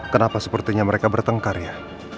kenapa sepertinya mereka bertengkar ya